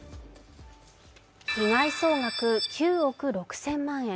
被害総額９億６０００万円。